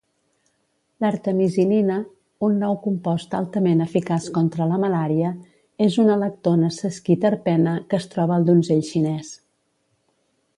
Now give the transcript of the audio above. L'artemisinina, un nou compost altament eficaç contra la malària, és una lactona sesquiterpena que es troba al donzell xinès.